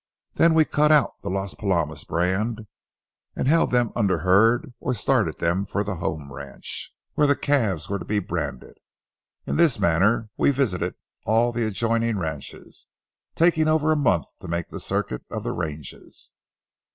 Then we cut out the Las Palomas brand, and held them under herd or started them for the home ranch, where the calves were to be branded. In this manner we visited all the adjoining ranches, taking over a month to make the circuit of the ranges.